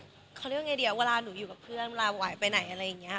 เขาเรียกไงเดี๋ยวเวลาหนูอยู่กับเพื่อนเวลาไหวไปไหนอะไรอย่างนี้